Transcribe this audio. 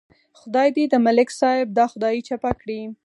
خدای دې د ملک صاحب دا خدایي چپه کړي.